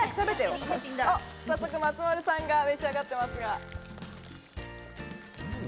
松丸さんが召し上がっていますが。